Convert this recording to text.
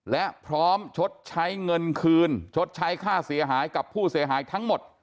และพร้อมชดใช้เงินคืนชดใช้ค่าเสียหายกับผู้เสียหายทั้งหมด